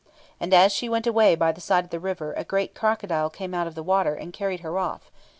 And as she went away by the side of the river a great crocodile came out of the water, and carried her off....